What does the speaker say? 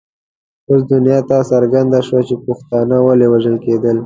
اوس دنیا ته څرګنده شوه چې پښتانه ولې وژل کېدل.